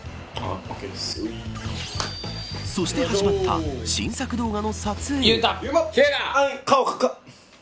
そして始まった新作動画の撮影。